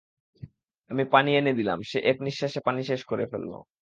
আমি পানি এনে দিলাম, সে এক নিঃশ্বাসে পানি শেষ করে ফেলল।